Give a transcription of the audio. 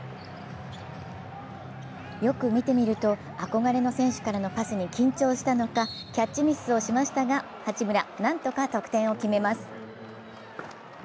よく見てみると憧れの選手からのパスに緊張したのかキャッチミスをしましたが八村、何とか得点を決めます。